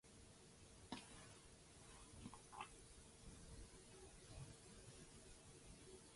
Hercules's final two lines of the short are likewise in his second voice.